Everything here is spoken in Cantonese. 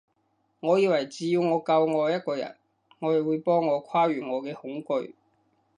我以為只要我夠愛一個人，愛會幫我跨越我嘅恐懼